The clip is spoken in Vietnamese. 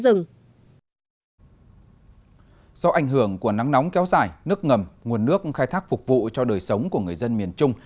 do ảnh hưởng của nắng nóng kéo dài nước ngầm nguồn nước khai thác phục vụ cho đời sống của người dân miền trung